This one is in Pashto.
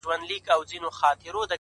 په سپورمۍ كي ستا تصوير دى.